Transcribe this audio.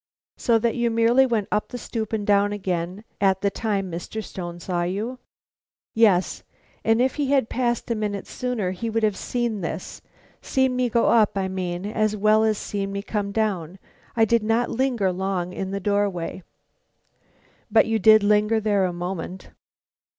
"So that you merely went up the stoop and down again at the time Mr. Stone saw you?" "Yes, and if he had passed a minute sooner he would have seen this: seen me go up, I mean, as well as seen me come down. I did not linger long in the doorway." "But you did linger there a moment?"